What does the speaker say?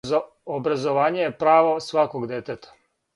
Образовање је право сваког детета.